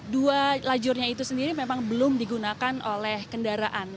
dua lajurnya itu sendiri memang belum digunakan oleh kendaraan